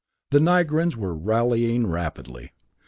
The Nigrans were rallying rapidly.